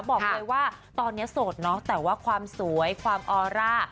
บอกเลยว่าตอนนี้โสดเนาะแต่ว่าความสวยความออร่า